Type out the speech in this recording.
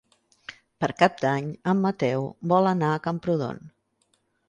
Per Cap d'Any en Mateu vol anar a Camprodon.